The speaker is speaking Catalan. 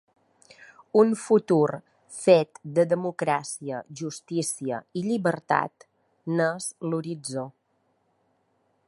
Un futur fet de democràcia, justícia i llibertat, n’és l’horitzó.